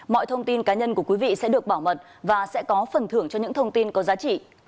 mọi thông tin cá nhân của quý vị sẽ được bảo mật và sẽ có phần thưởng cho những thông tin có giá trị